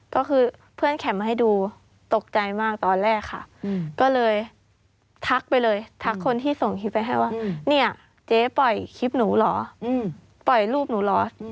ก็คือเพื่อนแคมป์มาให้ดูตกใจมากตอนแรกค่ะก็เลยทักไปเลยทักคนที่ส่งคลิปไปให้ว่าเนี่ยเจ๊ปล่อยคลิปหนูเหรอปล่อยรูปหนูเหรอ